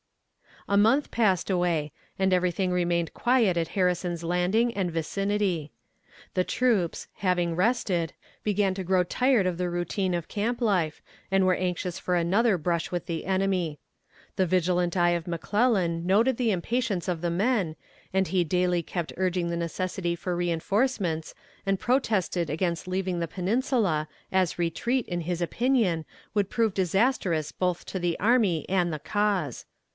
A month passed away, and everything remained quiet at Harrison's Landing and vicinity. The troops, having rested, began to grow tired of the routine of camp life, and were anxious for another brush with the enemy. The vigilant eye of McClellan noted the impatience of the men, and he daily kept urging the necessity of reinforcements, and protested against leaving the Peninsula, as retreat, in his opinion, would prove disastrous both to the army and the cause.